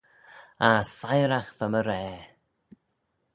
Ah siyragh va my raa!